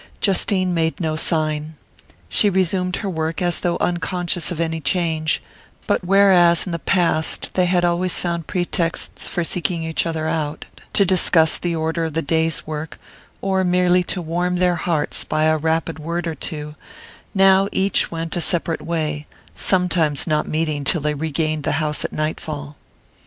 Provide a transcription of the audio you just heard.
Justine made no sign. She resumed her work as though unconscious of any change; but whereas in the past they had always found pretexts for seeking each other out, to discuss the order of the day's work, or merely to warm their hearts by a rapid word or two, now each went a separate way, sometimes not meeting till they regained the house at night fall.